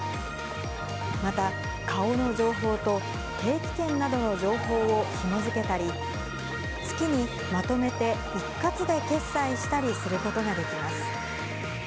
また、顔の情報と定期券などの情報をひも付けたり、月にまとめて一括で決済したりすることができます。